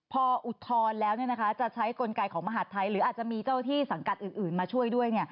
พออุทธรณ์แล้วจะใช้กลไกของมหาดไทยหรืออาจจะมีเจ้าที่สังกัดอื่นมาช่วยด้วย